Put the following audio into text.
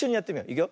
いくよ。